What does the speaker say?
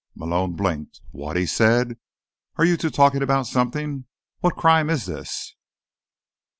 Malone blinked. "What?" he said. "Are you two talking about something? What crime is this?"